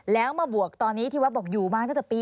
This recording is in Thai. แล้วมาบวกตอนนี้ที่วัดบอกอยู่มาตั้งแต่ปี๒๕